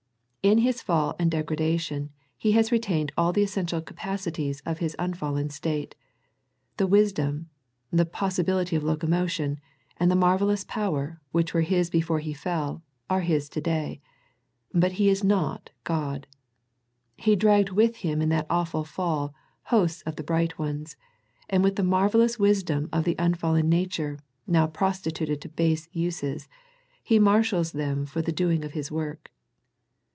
In his fall and degradation, he has retained all the essential capacities of his unfallen state. The wisdom, the possibility of locomotion, and the marvellous power, which were his before he fell, are his to day, but he is not God. He dragged with him in that awful fall hosts of the bright ones, and with the marvellous wis dom of that unfallen nature, now prostituted to base uses, he marshalls them for the doing of his work.